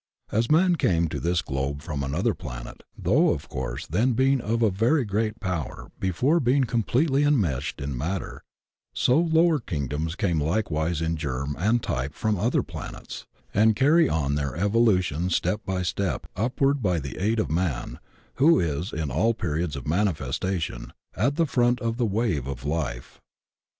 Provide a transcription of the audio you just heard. As man came to this globe from another planet, though of course then a being of very great power before being completely enmeshed in matter, so the lower kingdoms came likewise in germ and type from other planets, and cany on their evolution step by step upward by the aid of man, who is, in all periods of manifestation, at the front of the wave of life.